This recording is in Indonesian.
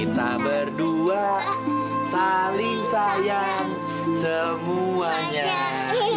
dua dua juga sayang ayah